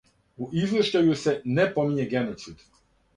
У извештају се не помиње геноцид.